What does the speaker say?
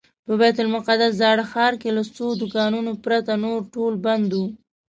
په بیت المقدس زاړه ښار کې له څو دوکانونو پرته نور ټول بند و.